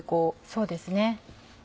そうですね。